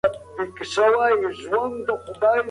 له حیواناتو سره د تماس وروسته لاسونه ووینځئ.